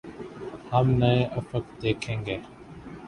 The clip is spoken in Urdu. ہم نئے افق دیکھیں گے۔